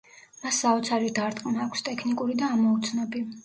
მას საოცარი დარტყმა აქვს, ტექნიკური და ამოუცნობი.